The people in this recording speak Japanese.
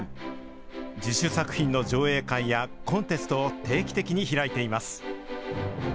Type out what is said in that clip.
自主作品の上映会やコンテストを定期的に開いています。